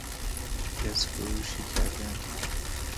گز فروشی کردن